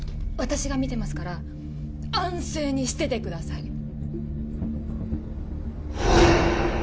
私が見てますから安静にしててください！